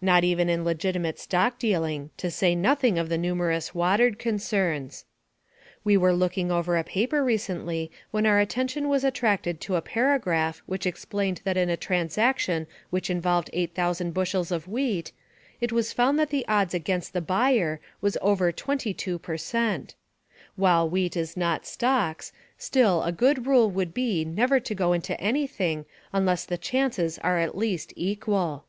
Not even in legitimate stock dealing, to say nothing of the numerous watered concerns. We were looking over a paper recently when our attention was attracted to a paragraph which explained that in a transaction which involved 8,000 bushels of wheat, it was found that the odds against the buyer was over 22 per cent. While wheat is not stocks, still a good rule would be never to go into anything unless the chances are at least equal.